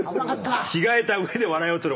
着替えた上で笑いを取る。